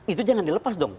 itu jangan dilepas dong